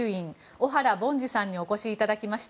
小原凡司さんにお越しいただきました。